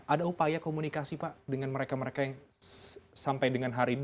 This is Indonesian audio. ada upaya komunikasi pak dengan mereka mereka yang sampai dengan hari ini